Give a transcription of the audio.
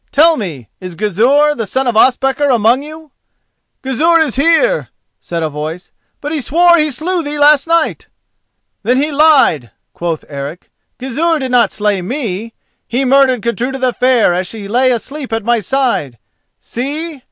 Tell me: is Gizur, the son of Ospakar, among you?" "Gizur is here," said a voice; "but he swore he slew thee last night." "Then he lied," quoth Eric. "Gizur did not slay me—he murdered Gudruda the Fair as she lay asleep at my side. See!"